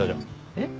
えっ？